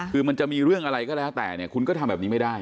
คือมันจะมีเรื่องอะไรก็แล้วแต่เนี่ยคุณก็ทำแบบนี้ไม่ได้